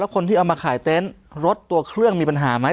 คนที่เอามาขายเต็นต์รถตัวเครื่องมีปัญหาไหม